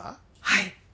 はい。